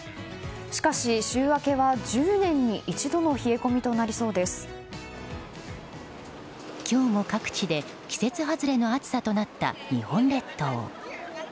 しかし、週明けは１０年に一度の今日も各地で季節外れの暑さとなった日本列島。